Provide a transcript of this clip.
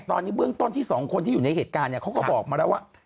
ตอนนี้เบื้องต้นที่๒คนที่อยู่ในเหตุการณ์เนี่ยเขาก็บอกมาแล้วว่า